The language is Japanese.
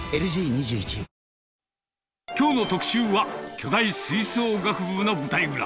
２１きょうの特集は、巨大吹奏楽部の舞台ウラ。